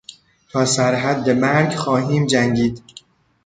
تا سر حد مرگ خواهیم جنگید.